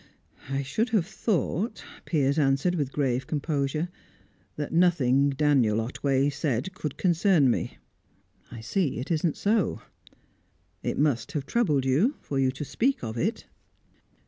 "I should have thought," Piers answered with grave composure, "that nothing Daniel Otway said could concern me. I see it isn't so. It must have troubled you, for you to speak of it."